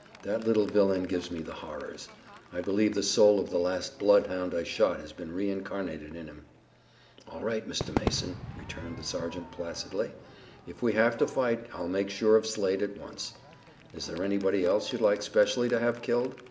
That little villain gives me the horrors. I believe the soul of the last bloodhound I shot has been reincarnated in him." "All right, Mr. Mason," returned the sergeant, placidly, "if we have to fight I'll make sure of Slade at once. Is there anybody else you'd like specially to have killed?"